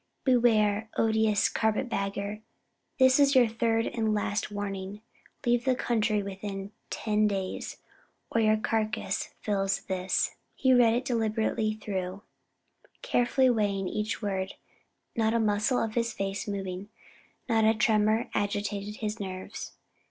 "Beware, odious carpet bagger! this is your third and last warning. Leave the country within ten days, or your carcass fills this." He read it deliberately through, carefully weighing each word, not a muscle of his face moving, not a tremor agitating his nerves.